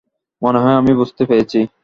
মনে হয় আমি বুঝতে পেরেছি।